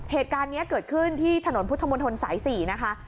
เหตุการณ์นี้เกิดขึ้นที่ถนนพุทธมนตรสาย๔นะคะ